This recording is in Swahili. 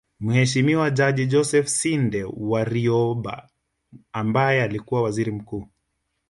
Mheshimiwa Jaji Joseph Sinde Warioba ambaye alikuwa Waziri Mkuu